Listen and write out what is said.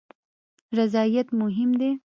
رضایت مهم دی